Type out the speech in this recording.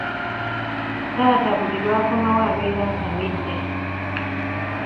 Taata buli lw'akomawo abeera atamidde.